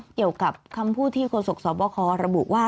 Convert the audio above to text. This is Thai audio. เกี่ยวกับคำพูดที่โฆษกสอบคอระบุว่า